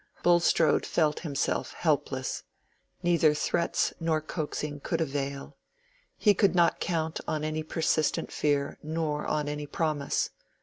Bulstrode felt himself helpless. Neither threats nor coaxing could avail: he could not count on any persistent fear nor on any promise.